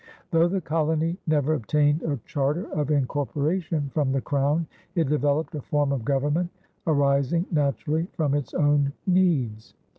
Though the colony never obtained a charter of incorporation from the Crown, it developed a form of government arising naturally from its own needs.